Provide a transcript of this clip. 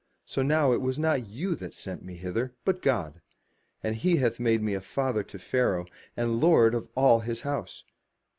So now it was not you that sent me hither, but God : and he hath made me a father to Pharaoh, and lord of all his house.